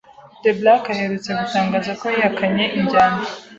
The Black uherutse gutangaza ko yihakanye injyana